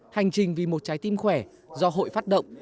hành trình vì một trái tim khỏe do hội phát động